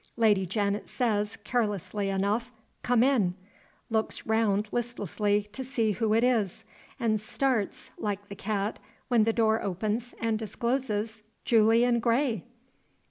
Lady Janet says, carelessly enough, "Come in;" looks round listlessly to see who it is; and starts, like the cat, when the door opens and discloses Julian Gray!